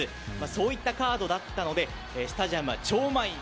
そういったカードだったのでスタジアムは超満員。